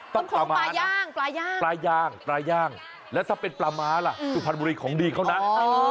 ของปลาย่างปลาย่างปลาย่างปลาย่างแล้วถ้าเป็นปลาม้าล่ะสุพรรณบุรีของดีเขานะ